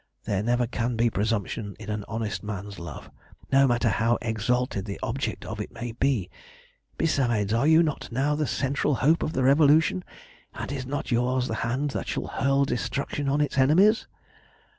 There never can be presumption in an honest man's love, no matter how exalted the object of it may be. Besides, are you not now the central hope of the Revolution, and is not yours the hand that shall hurl destruction on its enemies?